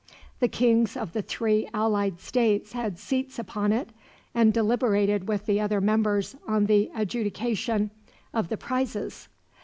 The kings of the three allied states had seats upon it, and deliberated with the other members on the adjudication of the prizes.